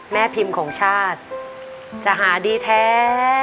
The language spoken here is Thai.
แม่พิมพ์ของชาติจะหาดีแท้